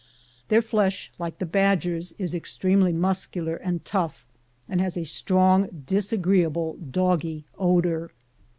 Their flesh, like the badger's, is ex tremely muscular and tough, and has a strong, dis agreeable, doggy odor.